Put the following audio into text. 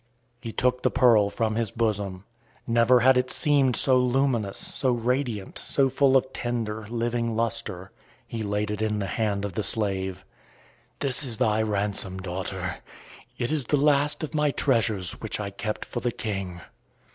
He took the pearl from his bosom. Never had it seemed so luminous, so radiant, so full of tender, living lustre. He laid it in the hand of the slave. "This is thy ransom, daughter! It is the last of my treasures which I kept for the King."